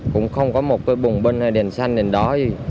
cũng không có một cái bùng bưng hay điện xanh đến đó gì